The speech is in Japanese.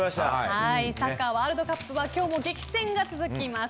サッカーワールドカップは今日も激戦が続きます。